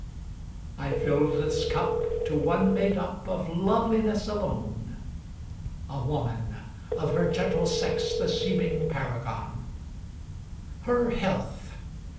I filled this cup to one made up of loveliness alone,A woman, of her gentle sex the seeming paragon—Her health!